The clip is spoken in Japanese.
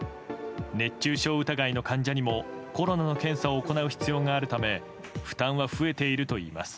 熱中症疑いの患者にもコロナの検査を行う必要があるため負担は増えているといいます。